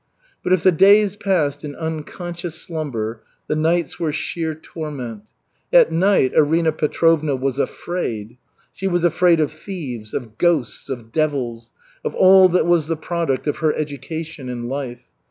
But if the days passed in unconscious slumber, the nights were sheer torment. At night Arina Petrovna was afraid; she was afraid of thieves, of ghosts, of devils, of all that was the product of her education and life.